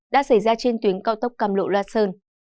đã xảy ra trên tuyến cao tốc cam lộ la sơn